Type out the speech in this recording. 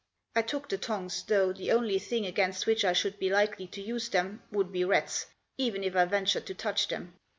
I took the tongs, though the only thing against which I should be likely to use them would be rats, even if I ventured to touch them.